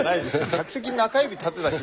客席に中指立てた人